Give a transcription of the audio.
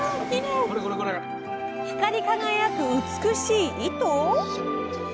光り輝く美しい糸？